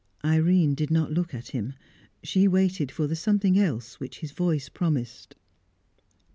Irene did not look at him; she waited for the something else which his voice promised.